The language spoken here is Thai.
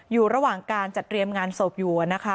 อยู่ระหว่างการจัดเตรียมงานศพอยู่นะคะ